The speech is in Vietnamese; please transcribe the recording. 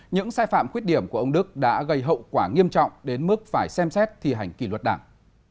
những sai phạm khuyết điểm của ông đức đã gây hậu quả nghiêm trọng đến mức phải xem xét thi hành kỷ luật đảng